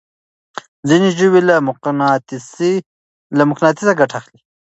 ځينې ژوي له مقناطيسه ګټه اخلي.